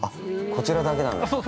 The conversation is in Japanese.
こちらだけなんですか？